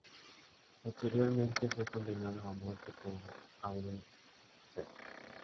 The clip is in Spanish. Posteriormente fue condenado a muerte por Aurangzeb.